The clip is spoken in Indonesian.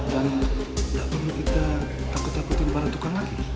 dan gak perlu kita takut takutin para tukang lagi